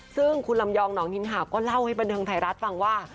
ซึ่งคุณลำยองหนองหินหาก็เล่าให้บันเทิงไทยรัฐฟังว่า